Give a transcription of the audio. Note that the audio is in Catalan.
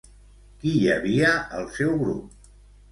Qui hi havia al seu grup?